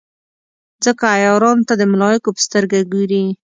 ځکه عیارانو ته د ملایکو په سترګه ګوري.